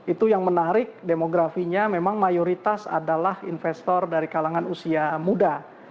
itu yang menarik demografinya memang mayoritas adalah investor dari kalangan usia muda